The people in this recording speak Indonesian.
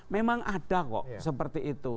memang ada kok seperti itu